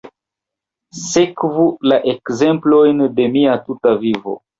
Sekvu la ekzemplojn de mia tuta vivo.